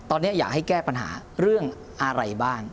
ตอนนี้อยากให้แก้ปัญหาเรื่องอะไรบ้าง